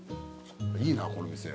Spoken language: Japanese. いいなこの店。